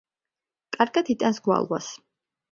კარგად იტანს გვალვას.